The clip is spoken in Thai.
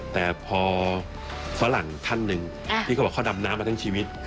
แต่พอฝรั่งท่านหนึ่งที่เขาบอกเขาดำน้ำมาทั้งชีวิต